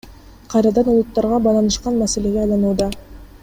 Кайрадан улуттарга байланышкан маселеге айланууда.